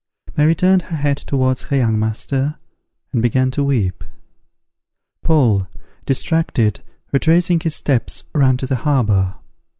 Mary turned her head towards her young master, and began to weep. Paul, distracted, retracing his steps, ran to the harbour.